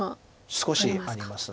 少しあります。